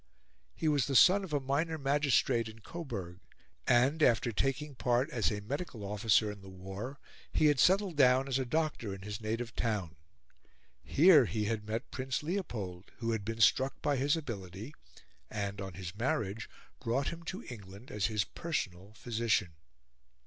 He was the son of a minor magistrate in Coburg, and, after taking part as a medical officer in the war, he had settled down as a doctor in his native town. Here he had met Prince Leopold, who had been struck by his ability, and, on his marriage, brought him to England as his personal physician.